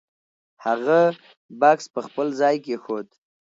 هغه بکس په خپل ځای کېښود.